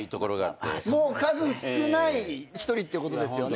もう数少ない一人ってことですよね。